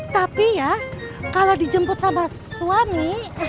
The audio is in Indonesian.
tapi ya kalau dijemput sama suami